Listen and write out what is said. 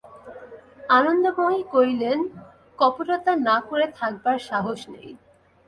আনন্দময়ী কহিলেন, কপটতা না করে থাকবার সাহস নেই?